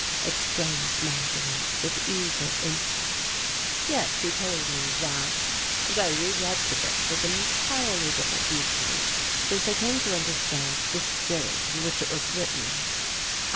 exclaimed Marguerite with eager interest. "Yes, he told me of that and I re read the book with an entirely different viewpoint since I came to understand the spirit in which it was written."